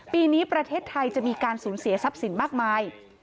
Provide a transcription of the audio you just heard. ปีนี้ประเทศไทยจะมีการสูญเสียทรัพย์สินมากมาย